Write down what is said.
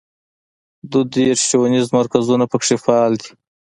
دوه دیرش ښوونیز مرکزونه په کې فعال دي.